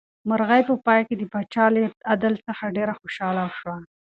مرغۍ په پای کې د پاچا له عدل څخه ډېره خوشحاله شوه.